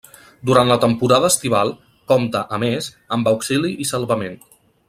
Durant la temporada estival compta a més amb auxili i salvament.